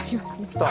来た？